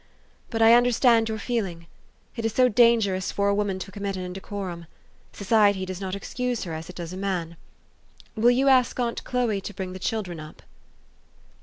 But I understand your feeling. It is so dangerous for a woman to commit an indecorum ! Society does not excuse her as it does a man. Will you ask aunt Chloe to bring the children up?